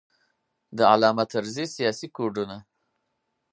د علامه محمود طرزي سیاسي کوډونه.